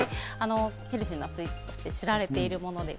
ヘルシーなスイーツとして知られているものです。